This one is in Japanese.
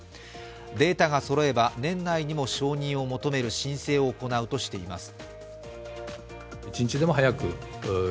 データがそろえば年内にも承認を求める申請を行うとしています。